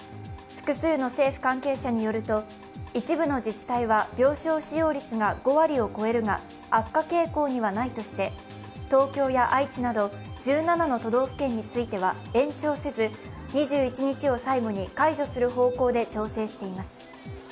複数の政府関係者によると、一部の自治体は病床使用率が５割を超えるが悪化傾向にはないとして東京や愛知など、１７の都道府県については延長せず、２１日を最後に解除する方向で調整しています。